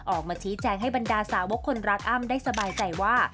ออกมาชี้แจงให้บรรดาสาวกคนรักอ้ำได้สบายใจว่า